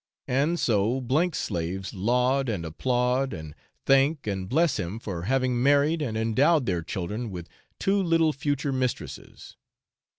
And so 's slaves laud, and applaud, and thank, and bless him for having married, and endowed their children with two little future mistresses.